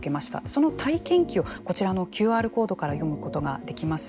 その体験記をこちらのＱＲコードから読むことができます。